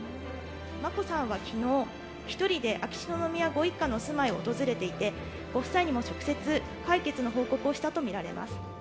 眞子さんはきのう、１人で秋篠宮ご一家のお住まいを訪れていて、ご夫妻にも直接解決の報告をしたと見られます。